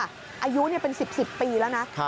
อายุเป็น๑๐๑๐ปีแล้วนะ